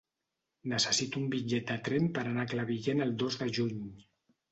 Necessito un bitllet de tren per anar a Crevillent el dos de juny.